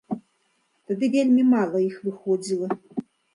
Тады вельмі мала іх выходзіла.